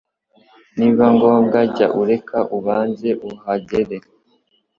Nibiba ngombwa jya ureka abanze ahagere